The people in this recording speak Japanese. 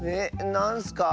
なんすか？